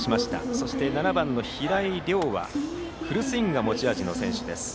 そして、７番の平井諒はフルスイングが持ち味の選手です。